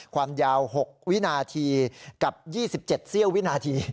ความยาว๖วินาทีกับ๒๗เสี้ยววินาที